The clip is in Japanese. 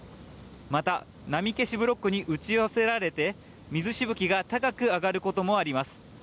また波消しブロックに打ち寄せられて水しぶきが高く上がることもあります。